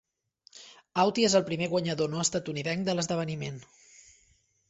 Autti és el primer guanyador no estatunidenc de l'esdeveniment.